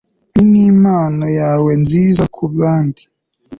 ni n'impano yawe nziza ku bandi